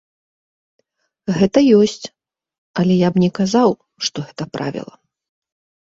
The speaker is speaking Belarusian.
Гэта ёсць, але я б не казаў, што гэта правіла.